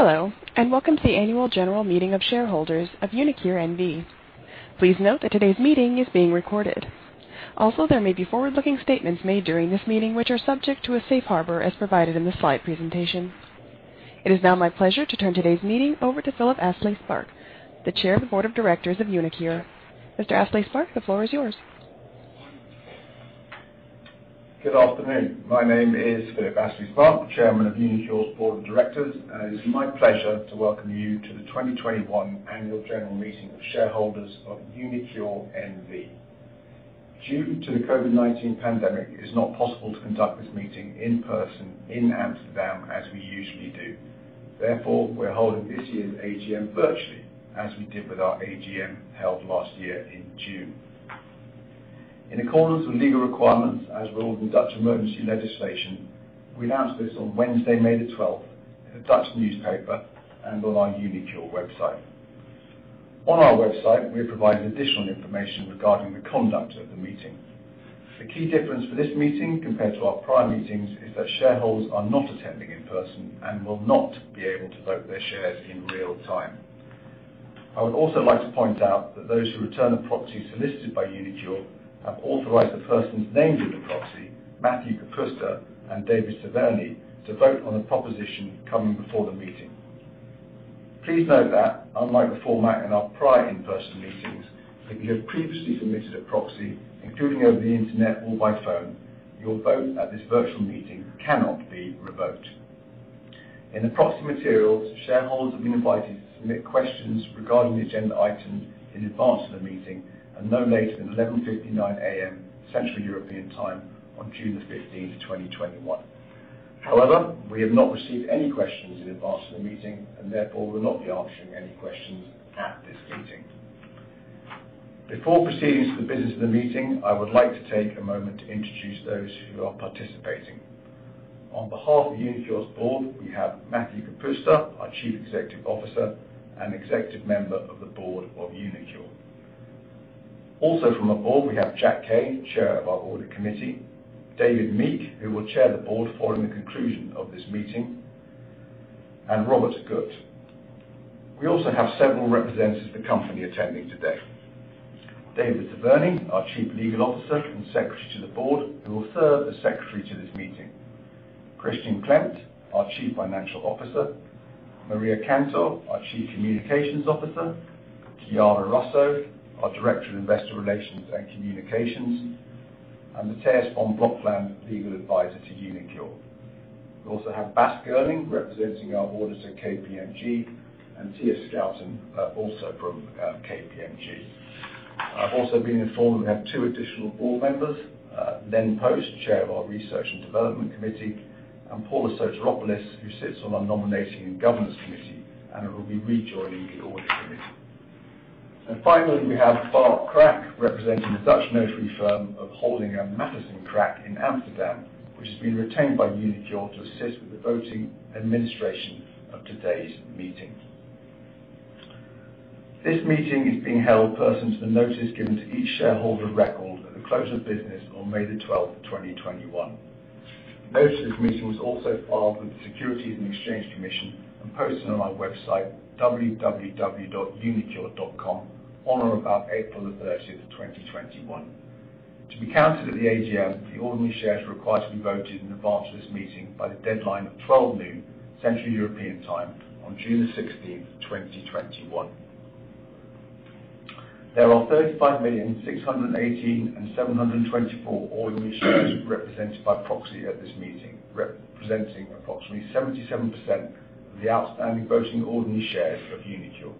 Hello, and welcome to the Annual General Meeting of Shareholders of uniQure N.V. Please note that today's meeting is being recorded. Also, there may be forward-looking statements made during this meeting, which are subject to a safe harbor as provided in the slide presentation. It is now my pleasure to turn today's meeting over to Philip Astley-Sparke, the Chair of the Board of Directors of uniQure. Mr. Astley-Sparke, the floor is yours. Good afternoon. My name is Philip Astley-Sparke, Chairman of uniQure's Board of Directors, and it is my pleasure to welcome you to the 2021 Annual General Meeting of Shareholders of uniQure NV. Due to the COVID-19 pandemic, it is not possible to conduct this meeting in person in Amsterdam as we usually do. Therefore, we're holding this year's AGM virtually as we did with our AGM held last year in June. In accordance with legal requirements, as well as the Dutch emergency legislation, we announced this on Wednesday, May 12, in a Dutch newspaper and on our uniQure website. On our website, we have provided additional information regarding the conduct of the meeting. The key difference for this meeting compared to our prior meetings, is that shareholders are not attending in person and will not be able to vote their shares in real time. I would also like to point out that those who return the proxy solicited by uniQure have authorized the persons named in the proxy, Matthew Kapusta and David Taverne, to vote on the proposition coming before the meeting. Please note that unlike the format in our prior in-person meetings, if you have previously submitted a proxy, including over the internet or by phone, your vote at this virtual meeting cannot be revoked. In the proxy materials, shareholders have been invited to submit questions regarding the agenda items in advance of the meeting, and no later than 11:59 A.M., Central European Time on June 15, 2021. However, we have not received any questions in advance of the meeting, and therefore, will not be answering any questions at this meeting. Before proceeding to the business of the meeting, I would like to take a moment to introduce those who are participating. On behalf of uniQure's board, we have Matthew Kapusta, our Chief Executive Officer and executive member of the board of uniQure. Also from the board, we have Jack Kay, Chair of our Audit Committee, David Meek, who will chair the board following the conclusion of this meeting, and Robert Gut. We also have several representatives of the company attending today. David Taverne, our Chief Legal Officer and Secretary to the board, who will serve as Secretary to this meeting. Christian Klemt, our Chief Financial Officer, Maria Cantor, our Chief Communications Officer, Chiara Russo, our Director of Investor Relations and Communications, and Matthijs van Blokland, Legal Advisor to uniQure. We also have Bas Geerling, representing our auditor, KPMG, and Thea Schouten, also from KPMG. I've also been informed we have two additional board members, Len Post, Chair of our Research and Development Committee, and Paula Soteropoulos, who sits on our Nominating and Governance Committee and will be rejoining the Audit Committee. And finally, we have Bart Kraak, representing the Dutch notary firm of Holdinga Matthijssen Kraak in Amsterdam, which has been retained by uniQure to assist with the voting administration of today's meeting. This meeting is being held pursuant to the notice given to each shareholder of record at the close of business on May 12, 2021. Notice of this meeting was also filed with the Securities and Exchange Commission and posted on our website, www.uniqure.com, on or about April 13, 2021. To be counted at the AGM, the ordinary shares are required to be voted in advance of this meeting by the deadline of 12:00 noon, Central European Time on June the 16th, 2021. There are 35,618,724 ordinary shares represented by proxy at this meeting, representing approximately 77% of the outstanding voting ordinary shares of uniQure.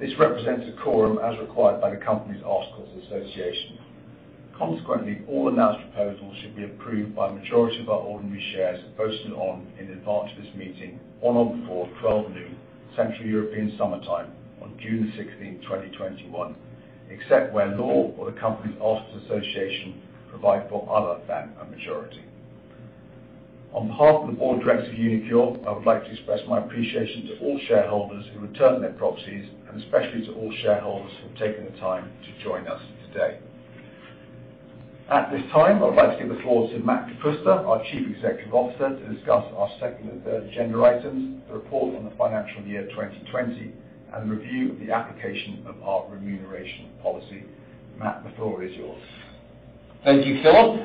This represents a quorum as required by the Company's Articles of Association. Consequently, all announced proposals should be approved by a majority of our ordinary shares voted on in advance of this meeting on or before 12:00 noon, Central European Summertime on June the 16th, 2021, except where law or the Company's Articles of Association provide for other than a majority. On behalf of the Board of Directors of uniQure, I would like to express my appreciation to all shareholders who returned their proxies, and especially to all shareholders for taking the time to join us today. At this time, I would like to give the floor to Matt Kapusta, our Chief Executive Officer, to discuss our second and third agenda items, the report on the financial year 2020, and the review of the application of our remuneration policy. Matt, the floor is yours. Thank you, Philip.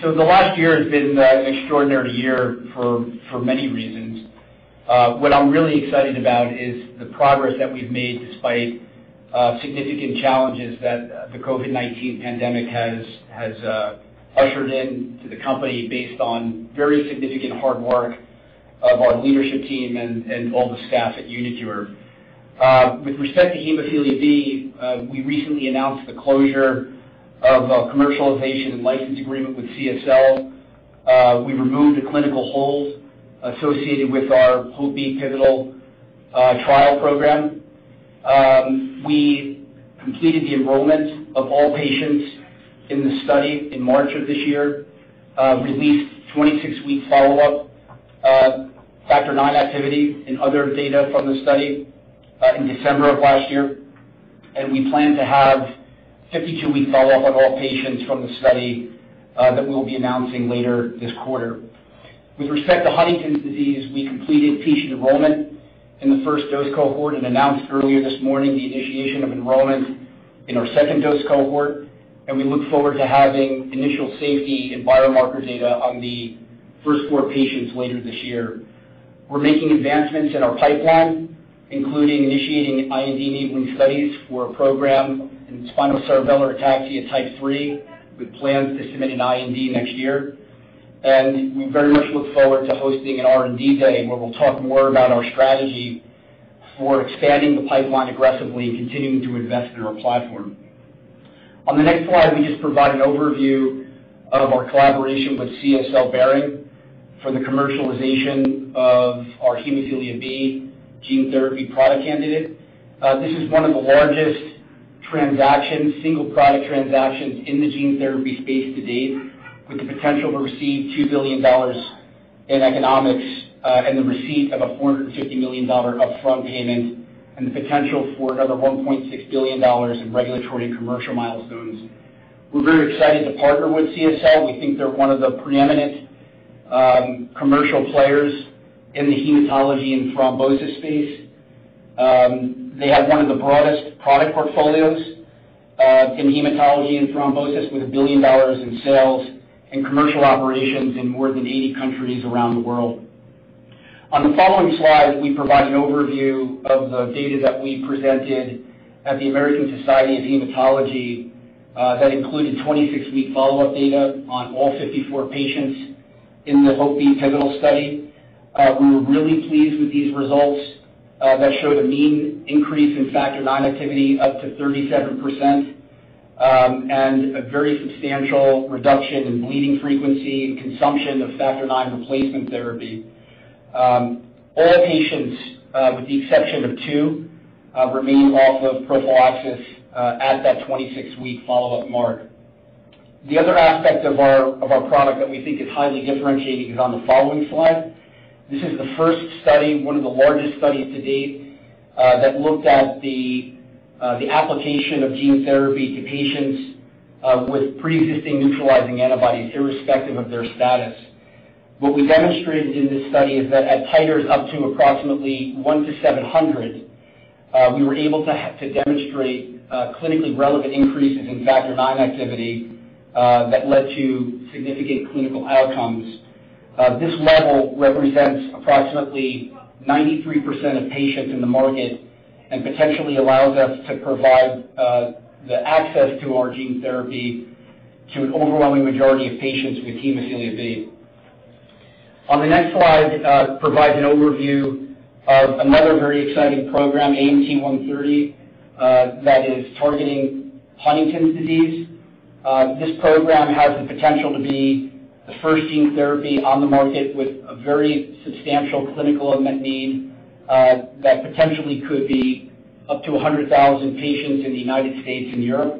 So, the last year has been an extraordinary year for many reasons. What I'm really excited about is the progress that we've made despite significant challenges that the COVID-19 pandemic has ushered in to the company, based on very significant hard work of our leadership team and all the staff at uniQure. With respect to Hemophilia B, we recently announced the closure of a commercialization and license agreement with CSL. We removed the clinical hold associated with our HOPE-B pivotal trial program. We completed the enrollment of all patients in the study in March of this year, released 26-week follow-up Factor IX activity and other data from the study in December of last year. and we plan to have 52-week follow-up on all patients from the study, that we'll be announcing later this quarter. With respect to Huntington's disease, we completed patient enrollment in the first dose cohort and announced earlier this morning the initiation of enrollment in our second dose cohort, and we look forward to having initial safety and biomarker data on the first 4 patients later this year. We're making advancements in our pipeline, including initiating IND-enabling studies for a program in spinocerebellar ataxia type 3, with plans to submit an IND next year. And we very much look forward to hosting an R&D day, where we'll talk more about our strategy for expanding the pipeline aggressively and continuing to invest in our platform. On the next slide, we just provide an overview of our collaboration with CSL Behring for the commercialization of our hemophilia B gene therapy product candidate. This is one of the largest transactions, single product transactions in the gene therapy space to date, with the potential to receive $2 billion in economics, and the receipt of a $450 million upfront payment, and the potential for another $1.6 billion in regulatory and commercial milestones. We're very excited to partner with CSL. We think they're one of the preeminent, commercial players in the hematology and thrombosis space. They have one of the broadest product portfolios, in hematology and thrombosis, with a $1 billion in sales and commercial operations in more than 80 countries around the world. On the following slide, we provide an overview of the data that we presented at the American Society of Hematology, that included 26-week follow-up data on all 54 patients in the HOPE-B pivotal study. We were really pleased with these results, that showed a mean increase in Factor IX activity up to 37%, and a very substantial reduction in bleeding frequency and consumption of Factor IX replacement therapy. All patients, with the exception of two, remained off of prophylaxis, at that 26-week follow-up mark. The other aspect of our product that we think is highly differentiating is on the following slide. This is the first study, one of the largest studies to date, that looked at the application of gene therapy to patients, with pre-existing neutralizing antibodies, irrespective of their status. What we demonstrated in this study is that at titers up to approximately 1:700, we were able to demonstrate clinically relevant increases in Factor IX activity that led to significant clinical outcomes. This level represents approximately 93% of patients in the market and potentially allows us to provide the access to our gene therapy to an overwhelming majority of patients with Hemophilia B. On the next slide provides an overview of another very exciting program, AMT-130, that is targeting Huntington's disease. This program has the potential to be the first gene therapy on the market with a very substantial clinical unmet need that potentially could be up to 100,000 patients in the United States and Europe.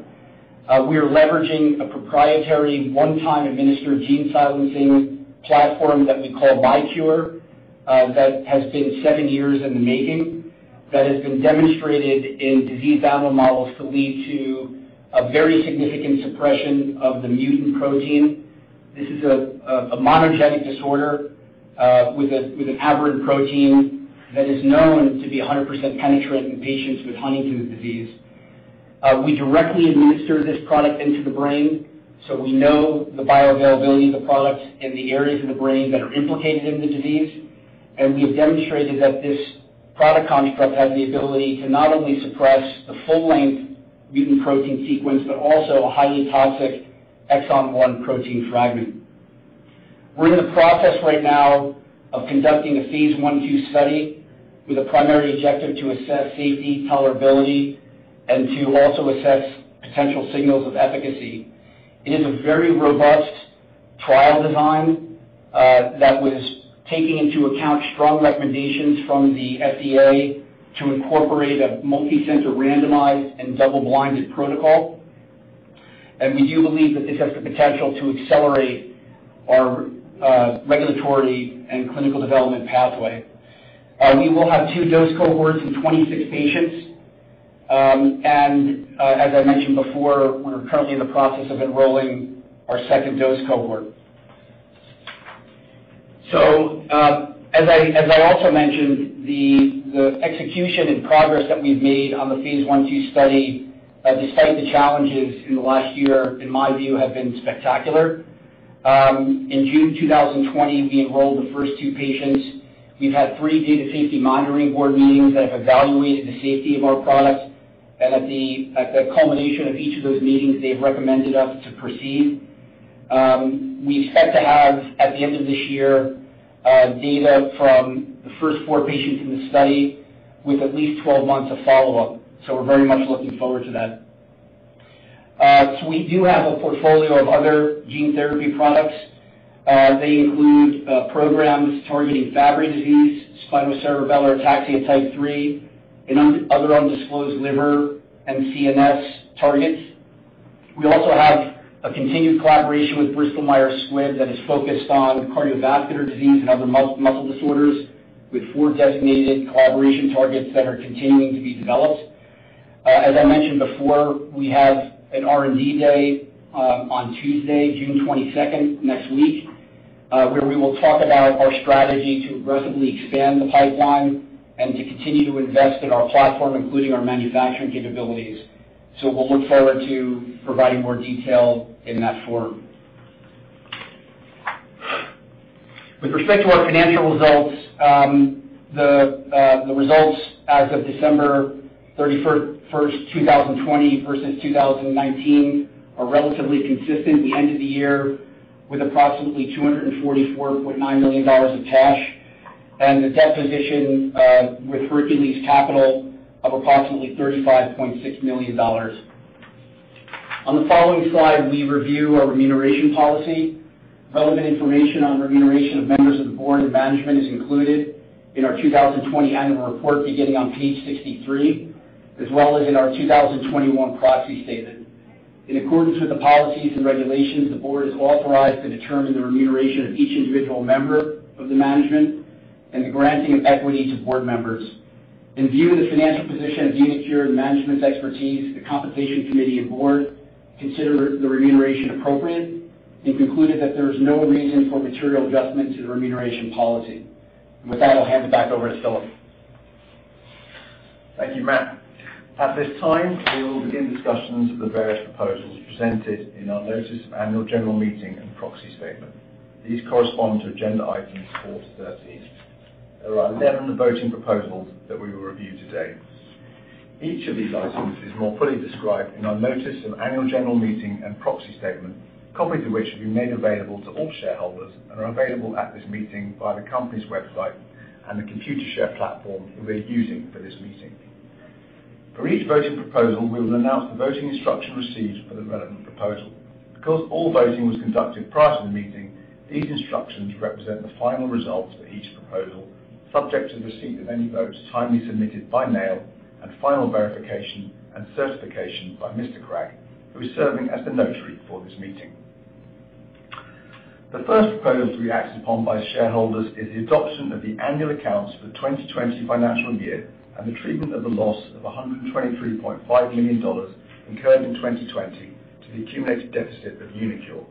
We are leveraging a proprietary, one-time administered gene silencing platform that we call miQure, that has been seven years in the making, that has been demonstrated in disease animal models to lead to a very significant suppression of the mutant protein. This is a monogenic disorder, with an aberrant protein that is known to be 100% penetrant in patients with Huntington's disease. We directly administer this product into the brain, so, we know the bioavailability of the product in the areas of the brain that are implicated in the disease, and we have demonstrated that this product construct has the ability to not only suppress the full-length mutant protein sequence, but also a highly toxic exon protein fragment. We're in the process right now of conducting a phase 1/2 study with a primary objective to assess safety, tolerability, and to also assess potential signals of efficacy. It is a very robust trial design that was taking into account strong recommendations from the FDA to incorporate a multi-center, randomized, and double-blinded protocol. We do believe that this has the potential to accelerate our regulatory and clinical development pathway. We will have 2 dose cohorts in 26 patients. As I mentioned before, we're currently in the process of enrolling our second dose cohort. As I also mentioned, the execution and progress that we've made on the phase 1/2 study, despite the challenges in the last year, in my view, have been spectacular. In June 2020, we enrolled the first 2 patients. We've had 3 Data Safety Monitoring Board meetings that have evaluated the safety of our product, and at the culmination of each of those meetings, they've recommended us to proceed. We expect to have, at the end of this year, data from the first 4 patients in the study with at least 12 months of follow-up. So, we're very much looking forward to that. So, we do have a portfolio of other gene therapy products. They include programs targeting Fabry disease, spinocerebellar ataxia type 3, and other undisclosed liver and CNS targets. We also have a continued collaboration with Bristol Myers Squibb that is focused on cardiovascular disease and other muscle disorders, with 4 designated collaboration targets that are continuing to be developed. As I mentioned before, we have an R&D day on Tuesday, June 22, next week, where we will talk about our strategy to aggressively expand the pipeline and to continue to invest in our platform, including our manufacturing capabilities. So, we'll look forward to providing more detail in that forum. With respect to our financial results, the results as of December 31, 2020 versus 2019, are relatively consistent. The end of the year with approximately $244.9 million of cash, and the debt position with Hercules Capital of approximately $35.6 million. On the following slide, we review our remuneration policy. Relevant information on remuneration of members of the board and management is included in our 2020 annual report, beginning on page 63, as well as in our 2021 proxy statement. In accordance with the policies and regulations, the board is authorized to determine the remuneration of each individual member of the management and the granting of equity to board members. In view of the financial position of the uniQure and management's expertise, the Compensation Committee and board consider the remuneration appropriate, and concluded that there is no reason for material adjustment to the remuneration policy. With that, I'll hand it back over to Philip. Thank you, Matt. At this time, we will begin discussions of the various proposals presented in our notice of annual general meeting and proxy statement. These correspond to agenda items 4-13. There are 11 voting proposals that we will review today. Each of these items is more fully described in our notice of annual general meeting and proxy statement, copies of which have been made available to all shareholders and are available at this meeting via the company's website and the Computershare platform that we're using for this meeting. For each voting proposal, we will announce the voting instruction received for the relevant proposal. Because all voting was conducted prior to the meeting, these instructions represent the final results for each proposal, subject to the receipt of any votes timely submitted by mail and final verification and certification by Mr. Kraak, who is serving as the notary for this meeting. The first proposal to be acted upon by shareholders is the adoption of the annual accounts for the 2020 financial year and the treatment of the loss of $123.5 million incurred in 2020 to the accumulated deficit of uniQure.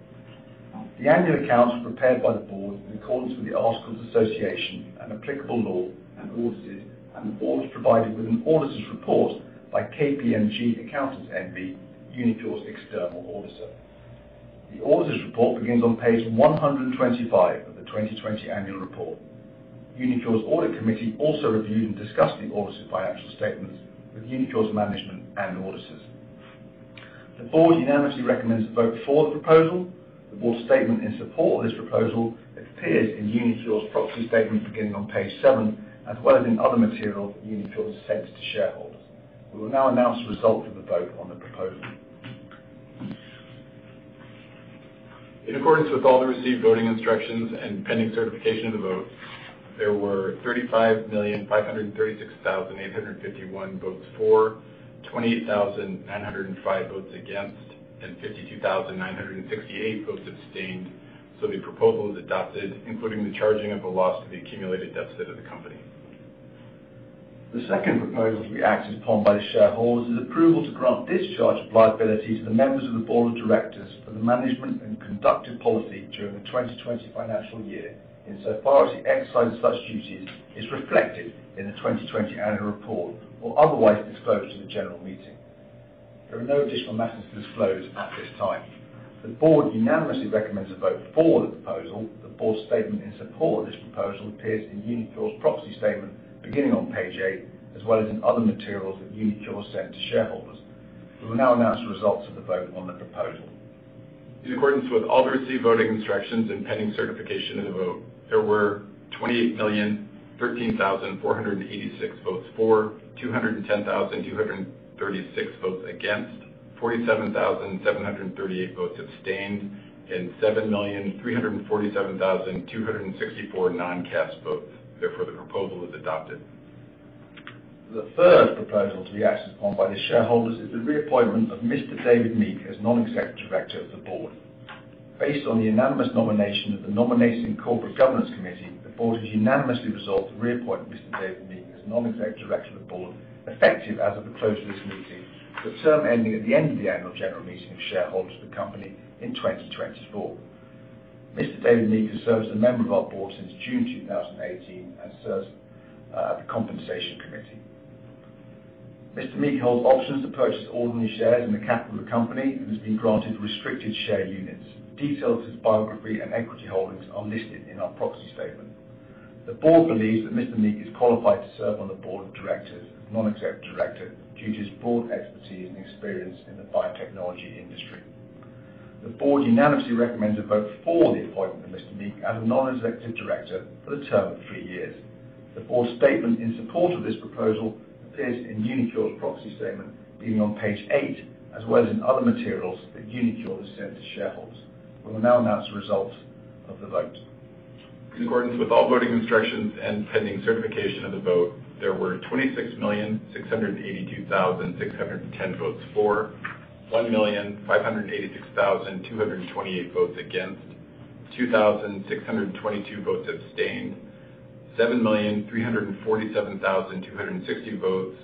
The annual accounts were prepared by the board in accordance with the Articles of Association and applicable law and audited, and it is provided with an auditor's report by KPMG Accountants N.V., uniQure's external auditor. The auditor's report begins on page 125 of the 2020 annual report. there were 28,013,486 votes for, 210,236 votes against, 47,738 votes abstained, and 7,347,264 non-cast votes. Therefore, the proposal is adopted. The third proposal to be acted upon by the shareholders is the reappointment of Mr. David Meek as non-executive director of the board. Based on the unanimous nomination of the Nominating and Corporate Governance Committee, the board has unanimously resolved to reappoint Mr. David Meek as non-executive director of the board, effective as of the close of this meeting, the term ending at the end of the Annual General Meeting of shareholders of the company in 2024. Mr. David Meek has served as a member of our board since June 2018 and serves the Compensation Committee. Mr. Meek holds options to purchase ordinary shares in the capital of the company and has been granted restricted share units. Details of his biography and equity holdings are listed in our proxy statement. The board believes that Mr. Meek is qualified to serve on the board of directors, as a non-executive director, due to his broad expertise and experience in the biotechnology industry. The board unanimously recommends a vote for the appointment of Mr. Meek as a non-executive director for the term of three years. The board's statement in support of this proposal appears in uniQure's proxy statement, beginning on page eight, as well as in other materials that uniQure has sent to shareholders. We will now announce the results of the vote.... In accordance with all voting instructions and pending certification of the vote, there were 26,682,610 votes for, 1,586,228 votes against, 2,622 votes abstained, 7,347,260 votes,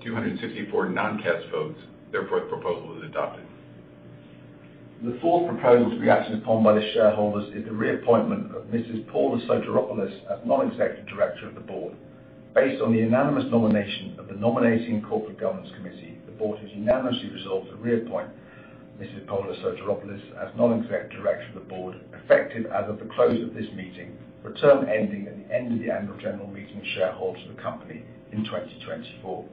two hundred and sixty-four non-cast votes. Therefore, the proposal is adopted. The fourth proposal to be acted upon by the shareholders is the reappointment of Mrs. Paula Soteropoulos as non-executive director of the board. Based on the unanimous nomination of the Nominating and Corporate Governance Committee, the board has unanimously resolved to reappoint Mrs. Paula Soteropoulos as non-executive director of the board, effective as of the close of this meeting, for a term ending at the end of the annual general meeting of shareholders of the company in 2024.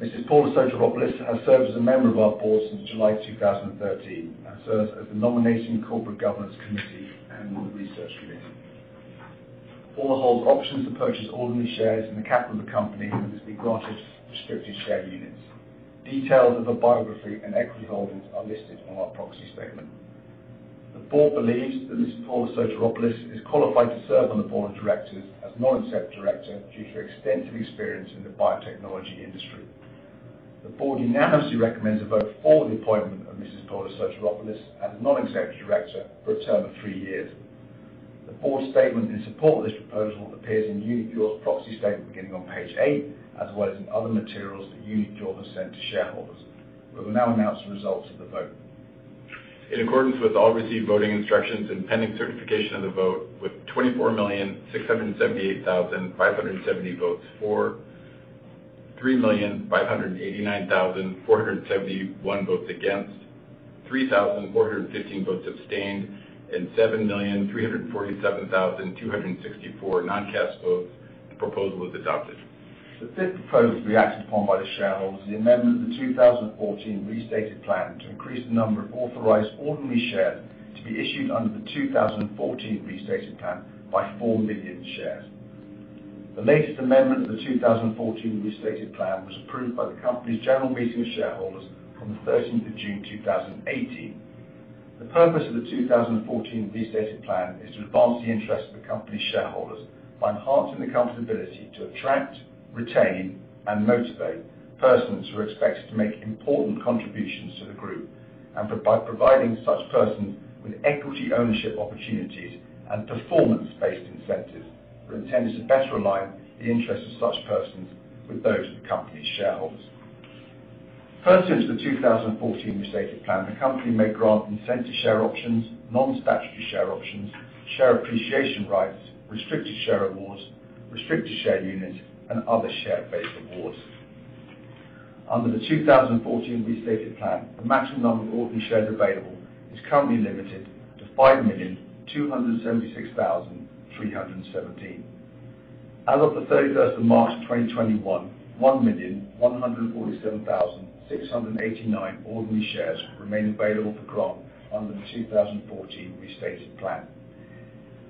Mrs. Paula Soteropoulos has served as a member of our board since July 2013, and serves as the Nominating and Corporate Governance Committee and the Research Committee. Paula holds options to purchase ordinary shares in the capital of the company and has been granted restricted share units. Details of her biography and equity holdings are listed on our proxy statement. The board believes that Mrs. Paula Soteropoulos is qualified to serve on the board of directors as non-executive director due to her extensive experience in the biotechnology industry. The board unanimously recommends a vote for the appointment of Mrs. Paula Soteropoulos as a non-executive director for a term of three years. The board statement in support of this proposal appears in uniQure's proxy statement, beginning on page eight, as well as in other materials that uniQure has sent to shareholders. We will now announce the results of the vote. In accordance with all received voting instructions and pending certification of the vote, with 24,678,570 votes for, 3,589,471 votes against, 3,415 votes abstained, and 7,347,264 non-cast votes, the proposal is adopted. The fifth proposal to be acted upon by the shareholders is the amendment of the 2014 restated plan to increase the number of authorized ordinary shares to be issued under the 2014 restated plan by 4 million shares. The latest amendment of the 2014 restated plan was approved by the company's general meeting of shareholders on the 13th of June 2018. The purpose of the 2014 restated plan is to advance the interest of the company's shareholders by enhancing the company's ability to attract, retain, and motivate persons who are expected to make important contributions to the group, and by providing such persons with equity ownership opportunities and performance-based incentives that are intended to better align the interests of such persons with those of the company's shareholders. Pursuant to the 2014 restated plan, the company may grant incentive share options, non-statutory share options, share appreciation rights, restricted share awards, restricted share units, and other share-based awards. Under the 2014 restated plan, the maximum number of ordinary shares available is currently limited to 5,276,317. As of March 31, 2021, 1,147,689 ordinary shares remain available for grant under the 2014 restated plan.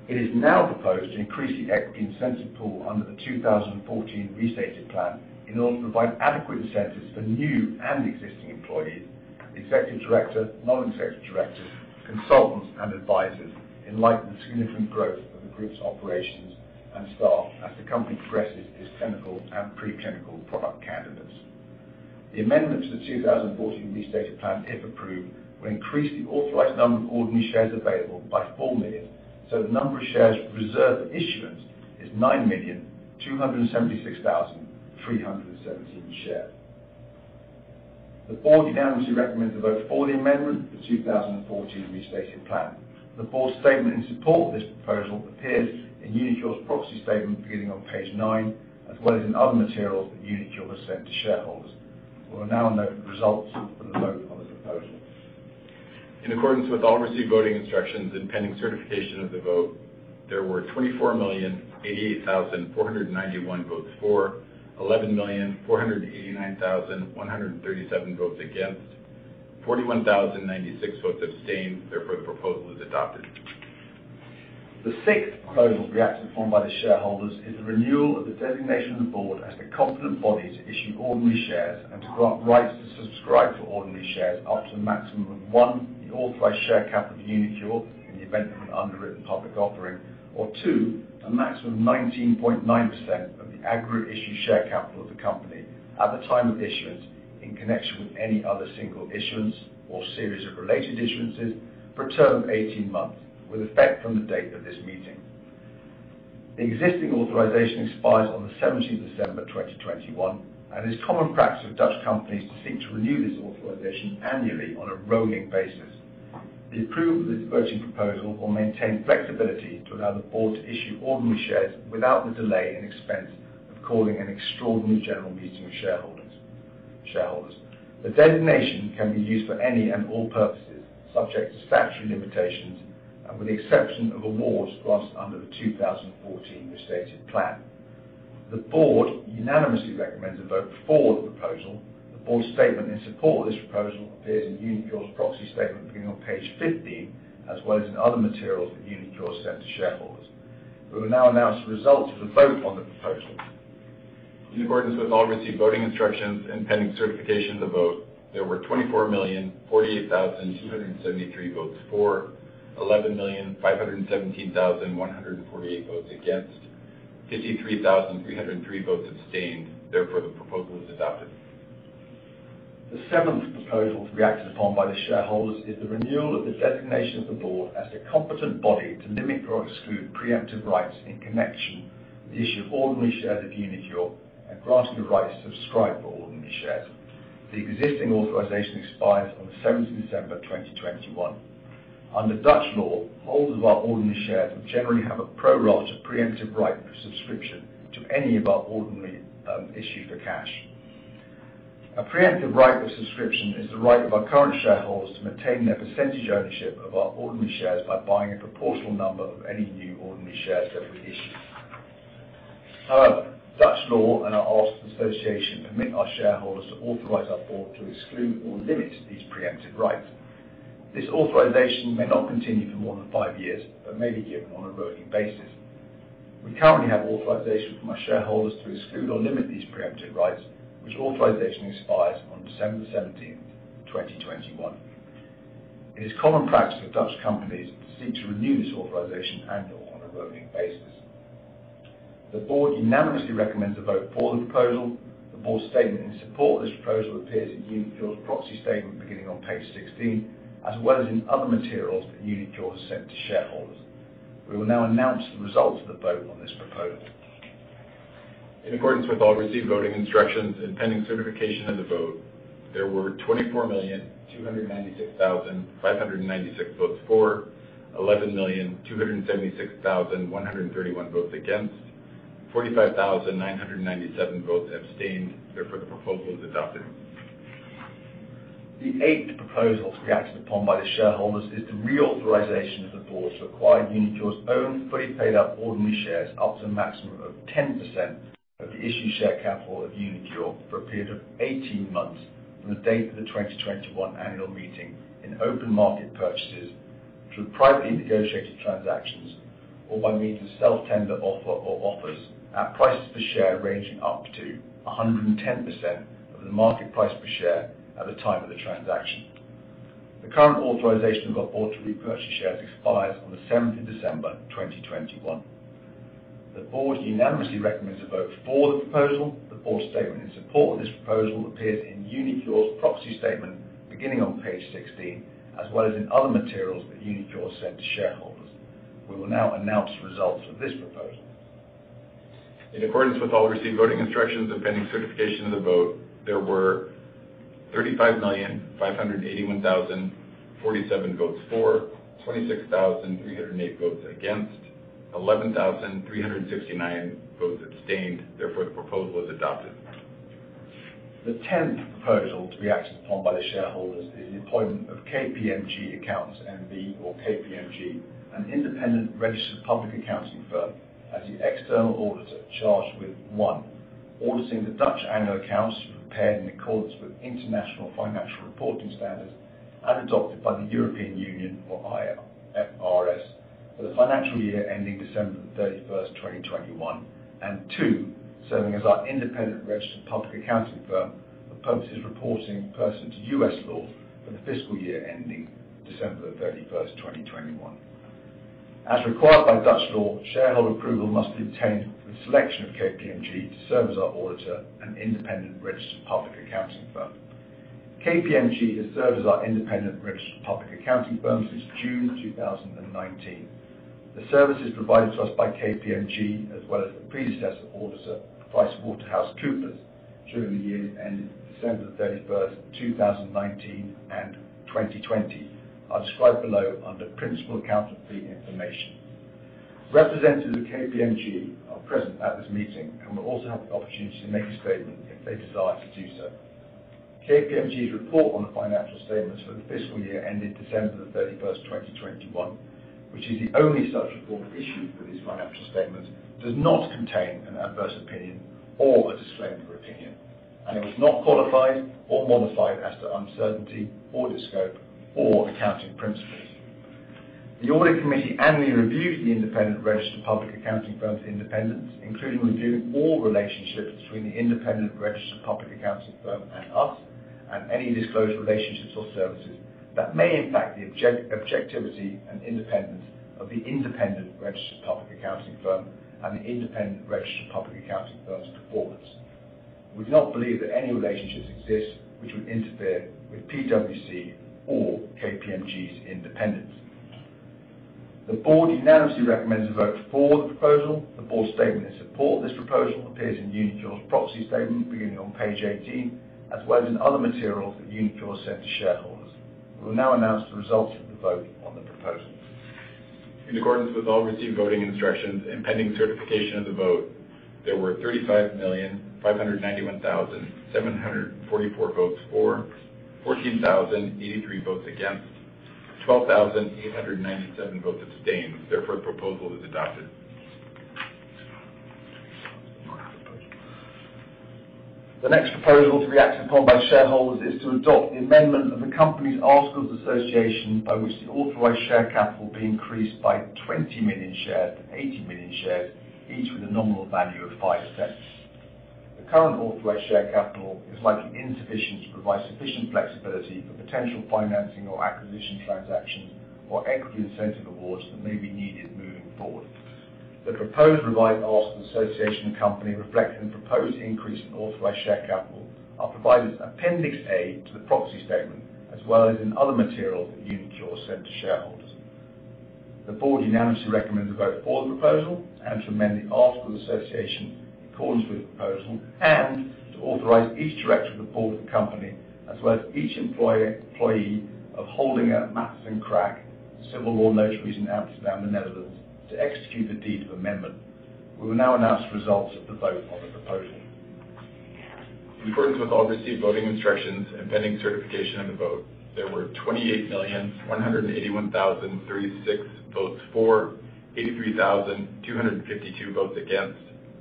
It is now proposed to increase the equity incentive pool under the 2014 restated plan in order to provide adequate incentives for new and existing employees, the executive director, non-executive directors, consultants, and advisors, in light of the significant growth of the group's operations and staff as the company progresses its clinical and preclinical product candidates. The amendment to the 2014 restated plan, if approved, will increase the authorized number of ordinary shares available by 4 million, so, the number of shares reserved for issuance is 9,276,317 shares. The Board unanimously recommends a vote for the amendment of the 2014 restated plan. The Board's statement in support of this proposal appears in uniQure's proxy statement beginning on page 9, as well as in other materials that uniQure has sent to shareholders. We will now note the results of the vote on the proposal. In accordance with all received voting instructions and pending certification of the vote, there were 24,088,491 votes for, 11,489,137 votes against, 41,096 votes abstained. Therefore, the proposal is adopted. The sixth proposal to be acted upon by the shareholders is the renewal of the designation of the board as the competent body to issue ordinary shares and to grant rights to subscribe to ordinary shares, up to a maximum of, 1, the authorized share capital of uniQure in the event of an underwritten public offering, or 2, a maximum of 19.9% of the aggregate issued share capital of the company at the time of issuance, in connection with any other single issuance or series of related issuances for a term of 18 months, with effect from the date of this meeting. The existing authorization expires on the 17th of December 2021, and it's common practice for Dutch companies to seek to renew this authorization annually on a rolling basis. The approval of this voting proposal will maintain flexibility to allow the board to issue ordinary shares without the delay and expense of calling an extraordinary general meeting of shareholders, shareholders. The designation can be used for any and all purposes, subject to statutory limitations, and with the exception of awards granted under the 2014 restated plan. The board unanimously recommends a vote for the proposal. The board's statement in support of this proposal appears in uniQure's proxy statement, beginning on page 15, as well as in other materials that uniQure sent to shareholders. We will now announce the results of the vote on the proposal. ... In accordance with all received voting instructions and pending certification of the vote, there were 24,048,273 votes for, 11,517,148 votes against, 53,303 votes abstained, therefore, the proposal is adopted. The seventh proposal to be acted upon by the shareholders is the renewal of the designation of the board as the competent body to limit or exclude preemptive rights in connection with the issue of ordinary shares of uniQure and granting the right to subscribe for ordinary shares. The existing authorization expires on the seventh of December, 2021. Under Dutch law, holders of our ordinary shares will generally have a pro rata preemptive right of subscription to any of our ordinary issues for cash. A preemptive right of subscription is the right of our current shareholders to maintain their percentage ownership of our ordinary shares by buying a proportional number of any new ordinary shares that we issue. However, Dutch law and our Articles of Association permit our shareholders to authorize our board to exclude or limit these preemptive rights. This authorization may not continue for more than five years, but may be given on a rolling basis. We currently have authorization from our shareholders to exclude or limit these preemptive rights, which authorization expires on December seventeenth, 2021. It is common practice for Dutch companies to seek to renew this authorization annually on a rolling basis. The board unanimously recommends a vote for the proposal. The board statement in support of this proposal appears in uniQure's proxy statement, beginning on page 16, as well as in other materials that uniQure has sent to shareholders. We will now announce the results of the vote on this proposal. In accordance with all received voting instructions and pending certification of the vote, there were 24,296,596 votes for, 11,276,131 votes against, 45,997 votes abstained. Therefore, the proposal is adopted. The eighth proposal to be acted upon by the shareholders is the reauthorization of the board to acquire uniQure's own fully paid-up ordinary shares, up to a maximum of 10% of the issued share capital of uniQure for a period of 18 months from the date of the 2021 annual meeting in open market purchases, through privately negotiated transactions, or by means of self-tender offer or offers at prices per share, ranging up to 110% of the market price per share at the time of the transaction. The current authorization of our board to repurchase shares expires on the seventh of December, 2021. The board unanimously recommends to vote for the proposal. The board statement in support of this proposal appears in uniQure's proxy statement, beginning on page 16, as well as in other materials that uniQure sent to shareholders. We will now announce the results of this proposal. In accordance with all received voting instructions and pending certification of the vote, there were 35,581,047 votes for, 26,308 votes against, 11,369 votes abstained. Therefore, the proposal is adopted. The tenth proposal to be acted upon by the shareholders is the appointment of KPMG Accountants N.V. or KPMG, an independent registered public accounting firm, as the external auditor charged with, 1, auditing the Dutch annual accounts prepared in accordance with International Financial Reporting Standards and adopted by the European Union or IFRS for the financial year ending December 31, 2021. 2, serving as our independent registered public accounting firm for purposes of reporting pursuant to U.S. law for the fiscal year ending December 31, 2021. As required by Dutch law, shareholder approval must be obtained for the selection of KPMG to serve as our auditor and independent registered public accounting firm. KPMG has served as our independent registered public accounting firm since June 2019. The services provided to us by KPMG, as well as the predecessor auditor, PricewaterhouseCoopers, during the year ending December 31, 2019 and 2020, are described below under Principal Account Fee Information. Representatives of KPMG are present at this meeting and will also have the opportunity to make a statement if they desire to do so. KPMG's report on the financial statements for the fiscal year ending December 31, 2021, which is the only such report issued for these financial statements, does not contain an adverse opinion or a disclaimer opinion, and it was not qualified or modified as to uncertainty, audit scope, or accounting principles. The audit committee annually reviews the independent registered public accounting firm's independence, including reviewing all relationships between the independent registered public accounting firm and us, and any disclosed relationships or services that may impact the objectivity and independence of the independent registered public accounting firm and the independent registered public accounting firm's performance. We do not believe that any relationships exist which would interfere with PwC or KPMG's independence. The board unanimously recommends a vote for the proposal. The board statement in support of this proposal appears in uniQure's proxy statement, beginning on page 18, as well as in other materials that uniQure sent to shareholders. We will now announce the results of the vote on the proposal. In accordance with all received voting instructions and pending certification of the vote, there were 35,591,744 votes for, 14,083 votes against, 12,897 votes abstained. Therefore, the proposal is adopted.... The next proposal to be acted upon by shareholders is to adopt the amendment of the company's Articles of Association, by which the authorized share capital be increased by 20 million shares to 80 million shares, each with a nominal value of 5 cents. The current authorized share capital is likely insufficient to provide sufficient flexibility for potential financing or acquisition transactions or equity incentive awards that may be needed moving forward. The proposed revised Articles of Association of the company reflect the proposed increase in authorized share capital are provided as Appendix A to the proxy statement, as well as in other materials that uniQure sent to shareholders. The board unanimously recommends a vote for the proposal and to amend the Articles of Association in accordance with the proposal, and to authorize each director of the board of the company, as well as each employee, employee of Holdinga Matthijssen Kraak, civil law notaries in Amsterdam, the Netherlands, to execute the deed of amendment. We will now announce the results of the vote on the proposal. In accordance with all received voting instructions and pending certification of the vote, there were 28,181,036 votes for, 83,252 votes against,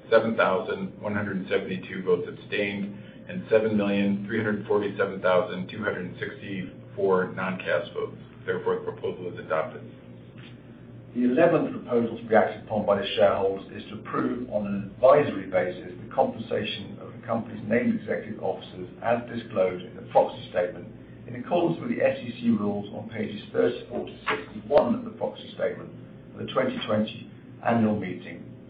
7,172 votes abstained, and 7,347,264 non-cast votes. Therefore, the proposal is adopted. The eleventh proposal to be acted upon by the shareholders is to approve, on an advisory basis, the compensation of the company's named executive officers as disclosed in the proxy statement, in accordance with the SEC rules on pages 34-61 of the proxy statement of the 2020 annual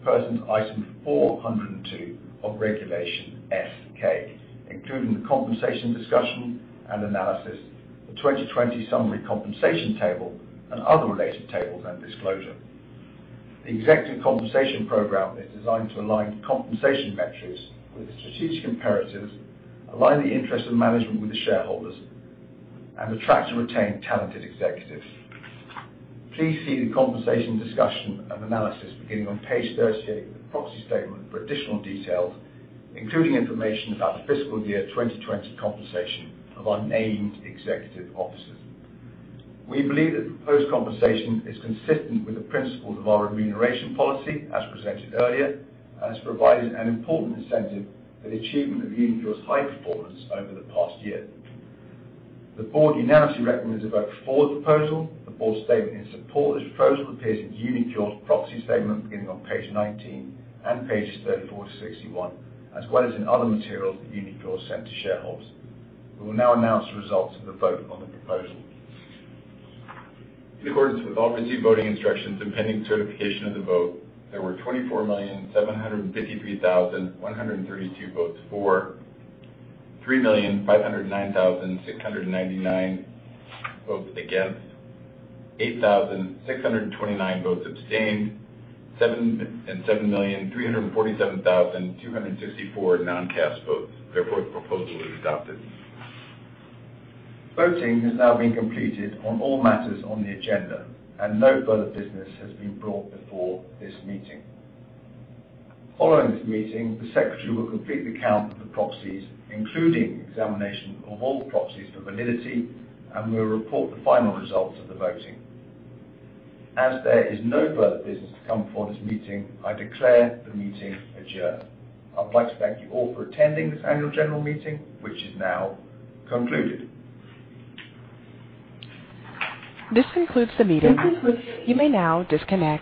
meeting, pursuant to Item 402 of Regulation S-K, including the compensation discussion and analysis, the 2020 summary compensation table, and other related tables and disclosure. The executive compensation program is designed to align compensation metrics with strategic imperatives, align the interests of management with the shareholders, and attract and retain talented executives. Please see the compensation discussion and analysis beginning on page 38 of the proxy statement for additional details, including information about the fiscal year 2020 compensation of our named executive officers. We believe that the proposed compensation is consistent with the principles of our remuneration policy, as presented earlier, and has provided an important incentive for the achievement of uniQure's high performance over the past year. The board unanimously recommends a vote for the proposal. The board's statement in support of this proposal appears in uniQure's proxy statement, beginning on page 19 and pages 34-61, as well as in other materials that uniQure sent to shareholders. We will now announce the results of the vote on the proposal. In accordance with all received voting instructions and pending certification of the vote, there were 24,753,132 votes for, 3,509,699 votes against, 8,629 votes abstained, and 7,347,264 non-cast votes. Therefore, the proposal is adopted. Voting has now been completed on all matters on the agenda, and no further business has been brought before this meeting. Following this meeting, the secretary will complete the count of the proxies, including examination of all proxies for validity, and will report the final results of the voting. As there is no further business to come before this meeting, I declare the meeting adjourned. I'd like to thank you all for attending this Annual General Meeting, which is now concluded. This concludes the meeting. You may now disconnect.